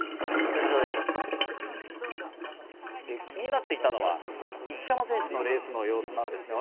気になっていたのは一山選手のレースの様子なんです。